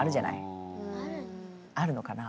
あるのかな？